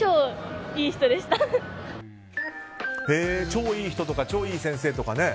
超いい人とか超いい先生とかね。